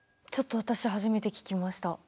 ちょっと私初めて聞きました。